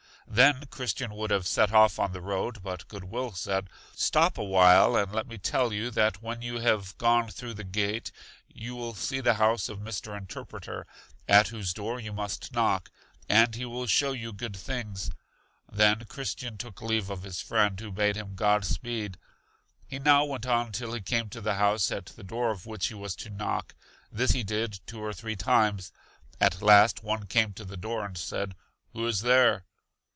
Then Christian would have set off on the road; but Good will said: Stop a while and let me tell you that when you have gone through the gate you will see the house of Mr. Interpreter, at whose door you must knock, and he will show you good things. Then Christian took leave of his friend, who bade him God speed. He now went on till he came to the house at the door of which he was to knock; this he did two or three times. At last one came to the door and said: Who is there?